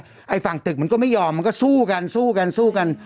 อะไรฝั่งตึกของมันก็ไม่ยอมมันก็สู้กัน